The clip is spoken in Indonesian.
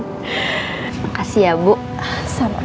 suara kamu indah